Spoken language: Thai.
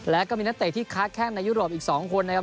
แล้วก็มีนักเตะที่ค้าแข้งในยุโรปอีก๒คนนะครับ